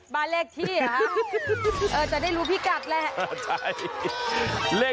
บ้านเลขที่เหรอจะได้รู้พิกัดแหละ